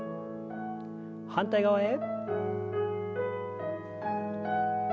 反対側へ。